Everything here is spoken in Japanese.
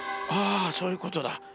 ああそういうことだ。